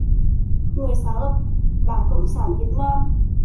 người sáng lập Đảng Cộng sản Việt Nam